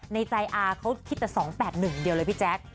ในใจอาเขาคิดแต่๒๘๑เดียวเลยพี่แจ๊ค